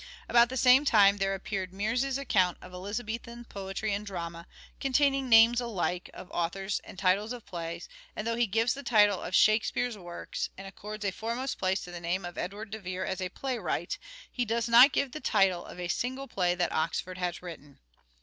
About the same time there appeared Meres' account of Elizabethan poetry and drama, containing names alike of authors and titles of plays ; and, though he gives the titles of " Shakespeare's " works, and accords a foremost place to the name of Edward de Vere as a playwright, he does not give the title of a single play that Oxford had written.